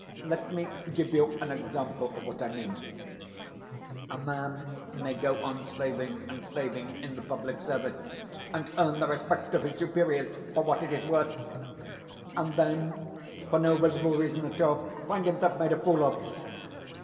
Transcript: Let me give you an example of what I mean. A man may go on slaving and slaving in the public service, and earn the respect of his superiors (for what it is worth), and then, for no visible reason at all, find himself made a fool of.